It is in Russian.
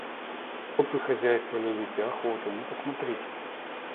Вы вот хозяйство любите, охоту, — ну посмотрите!